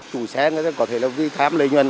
chủ xe có thể là vì tham lợi nhuận